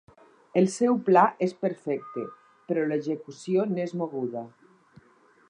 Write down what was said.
El seu pla és perfecte, però l'execució n'és moguda.